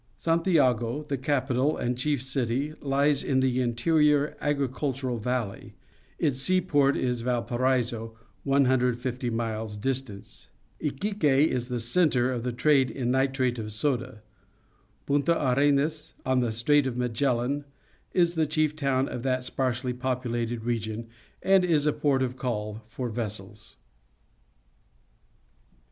— Santiago, the capital and cliief city, lies in the interior agricultural valley. Its seaport is Valparaiso, 115 miles distant. Iquique is the centre of the trade in nitrate of soda. Ptinta Arenas, on the Strait of Magellan, is the chief town of that sparsely populated region and is a port of call for vessels.